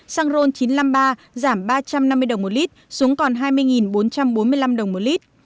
xăng ron chín trăm năm mươi ba giảm ba trăm năm mươi đồng một lit xuống còn hai mươi bốn trăm bốn mươi năm đồng một lít